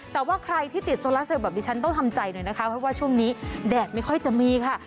แต่ว่าใครที่ติดโซลาเซลแบบนี้ฉันต้องทำใจหน่อยนะคะเพราะว่าช่วงนี้แดดไม่ค่อยจะมีค่ะ